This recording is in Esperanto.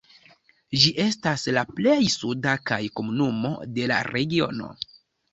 Ĝi estas la plej suda kaj komunumo de la regiono.